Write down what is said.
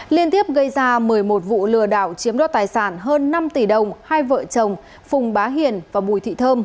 liên tiếp gây ra một mươi một vụ lừa đảo chiếm đo tài sản hơn năm tỷ đồng hai vợ chồng phùng bá hiền và bùi thị thơm